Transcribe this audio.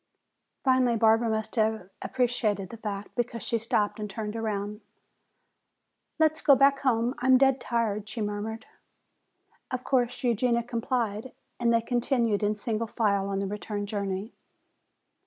Finally Barbara must have appreciated the fact, because she stopped and turned around. "Let's go back home, I am dead tired," she murmured. Of course Eugenia complied, and they continued in single file on the return journey.